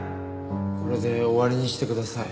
これで終わりにしてください。